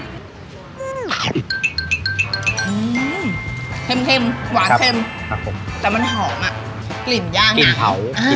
อื้อเค็มเค็มหวานเค็มครับผมแต่มันหอมอ่ะกลิ่นย่างอ่ะกลิ่นเผา